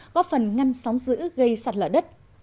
góp phần ngăn sóng giữ gây sạt lở đất